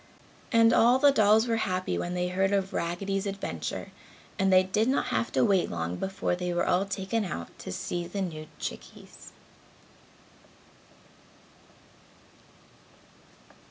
And all the dolls were happy when they heard of Raggedy's adventure and they did not have to wait long before they were all taken out to see the new chickies.